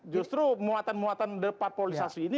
justru muatan muatan deparpolisasi ini